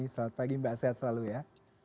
selamat pagi mbak sehat selalu ya